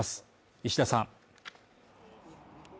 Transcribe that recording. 石田さん。